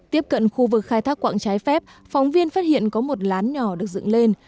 tiếp cận khu vực khai thác quạng trái phép phóng viên phát hiện có một lán nhỏ được dựng lên